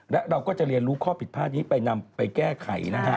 และเราก็จะเรียนรู้ข้อผิดพลาดนี้ไปนำไปแก้ไขนะฮะ